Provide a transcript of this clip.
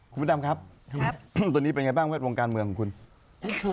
คุณพระดำครับตัวนี้เป็นไงบ้างแวดวงการเมืองของคุณ